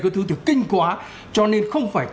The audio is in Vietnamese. cái thứ kinh quá cho nên không phải